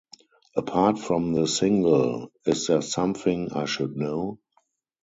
Apart from the single, Is There Something I Should Know?